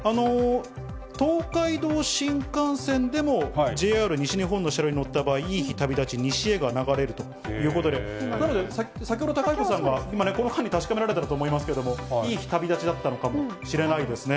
東海道新幹線でもＪＲ西日本の車両に乗った場合、いい日旅立ち西へが流れるということで、先ほど、貴彦さんは、今ね、この間に確かめられたらと思いますけれども、いい日旅立ちだったのかもしれないですね。